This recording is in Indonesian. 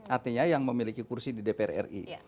artinya yang memiliki kursi di dpr ri